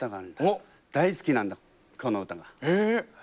大好きなんだこの歌が。え！